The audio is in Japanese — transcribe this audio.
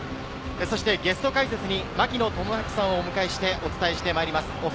そしてゲスト解説に槙野智章さんをお迎えしてお伝えしてまいります。